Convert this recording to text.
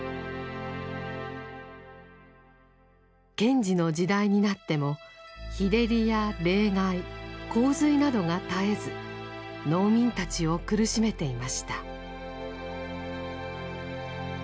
賢治の時代になっても日照りや冷害洪水などが絶えず農民たちを苦しめていました。